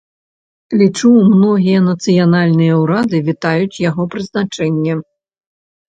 Лічу, многія нацыянальныя ўрады вітаюць яго прызначэнне.